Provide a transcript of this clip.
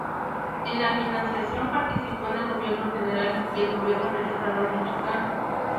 En la financiación participó el gobierno federal y el gobierno del estado de Michoacán.